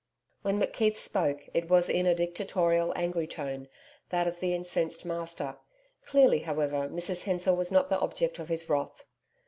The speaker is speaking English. When McKeith spoke, it was in a dictatorial, angry tone that of the incensed master. Clearly, however, Mrs Hensor was not the object of his wrath.